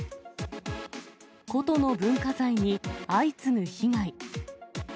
古都の文化財に相次ぐ被害。